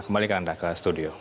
kembalikan anda ke studio